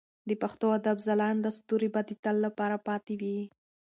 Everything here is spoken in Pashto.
د پښتو ادب ځلانده ستوري به د تل لپاره پاتې وي.